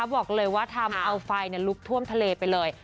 บอกเลยว่าทำเอาไฟลุกท่วมทะเลไปเลย